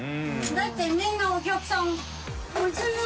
だってみんなお客さん△。